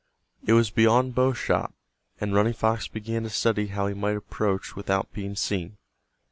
It was beyond bow shot, and Running Fox began to study how he might approach without being seen.